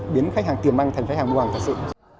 biến khách hàng tiền băng thành khách hàng mua hàng thật sự